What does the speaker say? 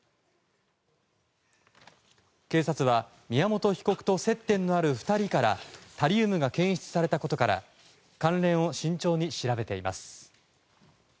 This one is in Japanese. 警察は宮本被告と接点のある２人からタリウムが検出されたことから関連を慎重に調べています。